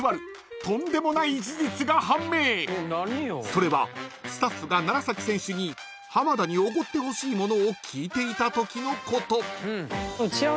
［それはスタッフが楢選手に浜田におごってほしいものを聞いていたときのこと］